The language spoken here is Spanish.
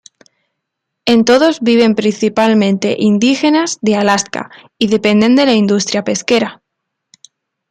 En todos viven principalmente indígenas de Alaska y dependen de la industria pesquera.